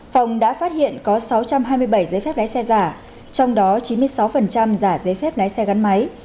phòng đã phát hiện có sáu trăm hai mươi bảy giấy phép lái xe giả trong đó chín mươi sáu giả giấy phép lái xe gắn máy